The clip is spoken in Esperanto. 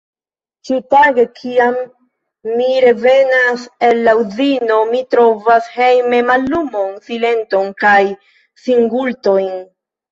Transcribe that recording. Ĉiutage, kiam mi revenas el la Uzino, mi trovas hejme mallumon, silenton kaj singultojn.